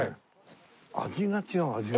味が違う味が。